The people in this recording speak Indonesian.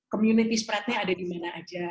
community spread nya ada dimana aja